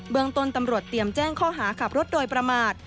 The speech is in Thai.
เมืองต้นตำรวจเตรียมแจ้งข้อหาขับรถโดยประมาท